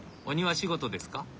お庭仕事ですか？